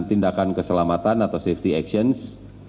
tindakan keselamatan atau safety actions